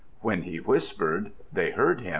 When he whispered, they heard him.